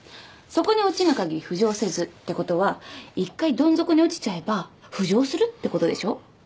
「底に堕ちぬ限り浮上せず」ってことは一回どん底に落ちちゃえば浮上するってことでしょ？